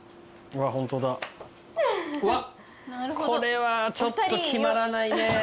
これはちょっと決まらないね。